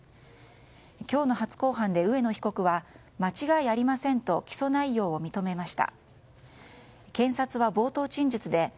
今日の初公判で植野被告は間違いありませんと起訴内容を認めました。